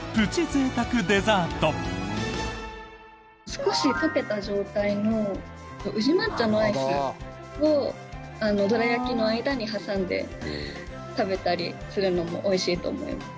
少し溶けた状態の宇治抹茶のアイスをどら焼きの間に挟んで食べたりするのもおいしいと思います。